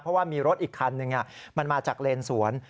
เพราะว่ามีรถอีกคันหนึ่งมันมาจากเลนสวน